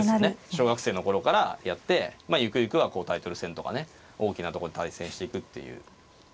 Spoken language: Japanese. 小学生の頃からやってまあゆくゆくはこうタイトル戦とかね大きなとこで対戦していくっていう。